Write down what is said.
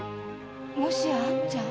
もしや兄ちゃん？